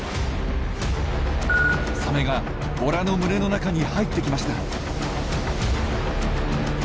サメがボラの群れの中に入ってきました！